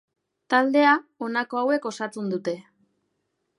Taldea honako hauek osatzen dute.